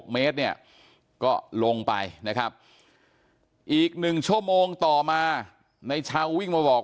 เมตรเนี่ยก็ลงไปนะครับอีก๑ชั่วโมงต่อมาในชาววิ่งมาบอก